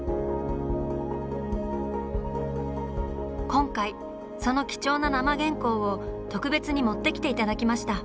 今回その貴重な生原稿を特別に持ってきて頂きました。